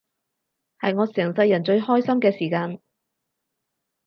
係我成世人最開心嘅時間